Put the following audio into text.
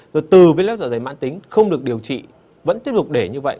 rồi từ viêm luet dạ dày mãn tính không được điều trị vẫn tiếp tục để như vậy